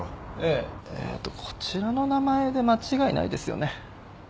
えっとこちらの名前で間違いないですよね？